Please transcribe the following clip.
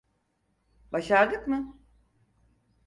Başardık mı?